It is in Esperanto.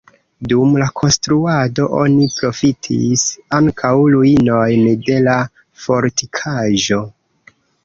Dum la konstruado oni profitis ankaŭ ruinojn de la fortikaĵo.